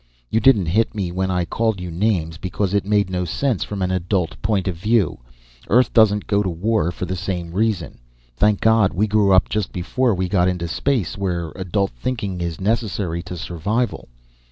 You didn't hit me when I called you names, because it made no sense from an adult point of view. Earth doesn't go to war for the same reason. Thank God, we grew up just before we got into space, where adult thinking is necessary to survival!"